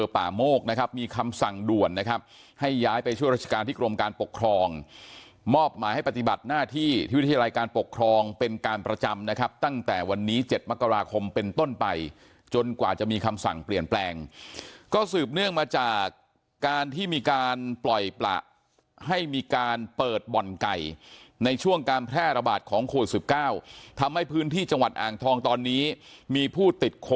ผู้ราชการที่กรมการปกครองมอบมาให้ปฏิบัติหน้าที่ที่วิทยาลัยการปกครองเป็นการประจำนะครับตั้งแต่วันนี้เจ็ดมกราคมเป็นต้นไปจนกว่าจะมีคำสั่งเปลี่ยนแปลงก็สืบเนื่องมาจากการที่มีการปล่อยประให้มีการเปิดบ่อนไก่ในช่วงการแพร่ระบาดของโควดสิบเก้าทำให้พื้นที่จังหวัดอ่างทองตอนนี้มีผู้